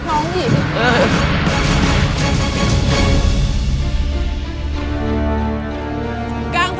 พี่ต้องกระท้องดิ